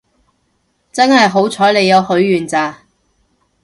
真係好彩你有許願咋